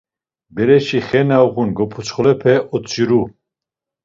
Bereşi xe na uğun goputsxolerepe otziru.